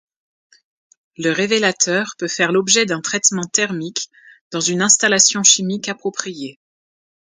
Le révélateur peut faire l'objet d'un traitement thermique dans une installation chimique appropriée.